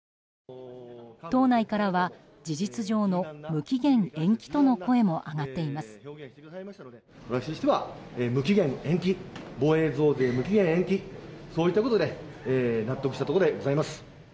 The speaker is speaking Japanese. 党内からは事実上の無期限延期との声も上がっています。